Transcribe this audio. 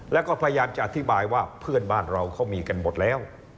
แล้วก็พยายามจะอธิบายว่าเพื่อนบ้านเราเขามีกันหมดแล้ว